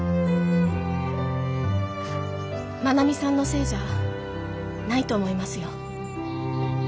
真奈美さんのせいじゃないと思いますよ。